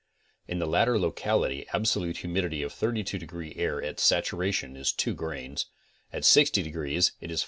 In the latter locality absolute humidity of 32 degree air at satura tion is 2 grains; at 60 degrees it is 5.